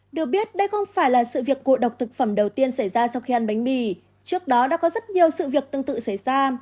được biết đây không phải là sự việc ngộ độc thực phẩm đầu tiên xảy ra sau khi ăn bánh mì trước đó đã có rất nhiều sự việc tương tự xảy ra